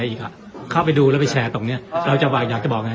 ไวนี้เราเข้าไปดูและไปแชร์ตรงนี้เราอยากจะบอกอย่างไรครับครับ